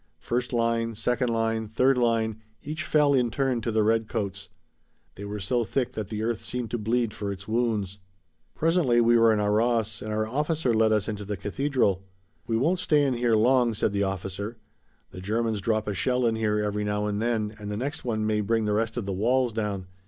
First line, second line, third line, each fell in turn to the redcoats. They were so thick that the earth seemed to bleed for its wounds. Presently we were in Arras and our officer led us into the cathedral. "We won't stay in here long," said the officer. "The Germans drop a shell in here every now and then and the next one may bring the rest of the walls down.